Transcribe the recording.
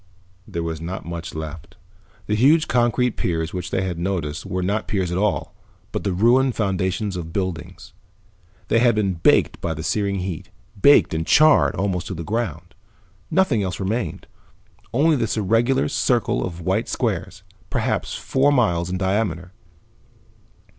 There was not much left. The huge concrete piers which they had noticed were not piers at all, but the ruined foundations of buildings. They had been baked by the searing heat, baked and charred almost to the ground. Nothing else remained, only this irregular circle of white squares, perhaps four miles in diameter.